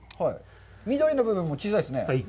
緑の部分も小さいですね。